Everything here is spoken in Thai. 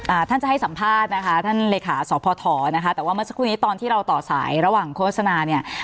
ท่านจะให้สัมภาษณ์นะคะท่านเลขาสพนะคะแต่ว่าเมื่อสักครู่นี้ตอนที่เราต่อสายระหว่างโฆษณาเนี่ย